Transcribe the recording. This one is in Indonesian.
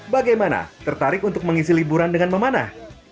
bagaimana tertarik untuk mengisi liburan dengan memanah